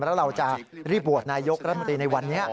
แล้วเราจะรีบโหวตนายกรัฐมนตรีในวันนี้